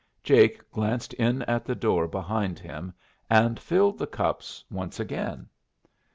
Jake glanced in at the door behind him, and filled the cups once again.